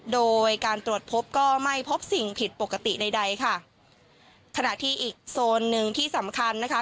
โดยการตรวจพบก็ไม่พบสิ่งผิดปกติใดใดค่ะขณะที่อีกโซนหนึ่งที่สำคัญนะคะ